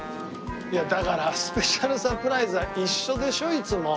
いやだからスペシャルサプライズは一緒でしょいつも。